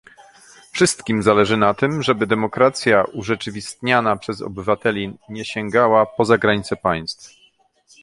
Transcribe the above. wszystkim zależy na tym, żeby demokracja urzeczywistniana przez obywateli nie sięgała poza granice państw